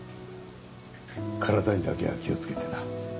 体にだけは気を付けてな。